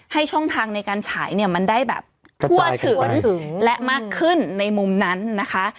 ช่องทางในการฉายเนี่ยมันได้แบบทั่วถึงและมากขึ้นในมุมนั้นนะคะ